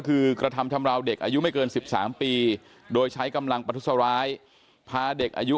คือกระทำชำราวเด็กอายุไม่เกิน๑๓ปีโดยใช้กำลังประทุษร้ายพาเด็กอายุ